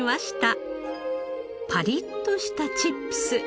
パリッとしたチップス。